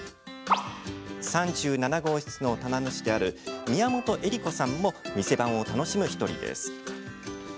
３７号室の棚主である宮本恵理子さんも店番を楽しむ１人です。